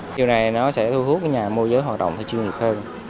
điều này nó sẽ thu hút nhà môi giới hoạt động thì chuyên nghiệp hơn